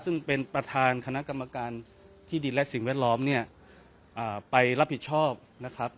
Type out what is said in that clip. ซึ่งเป็นประธานคณะกรรมการที่ดินและสิ่งแวดล้อมเนี่ยไปรับผิดชอบนะครับ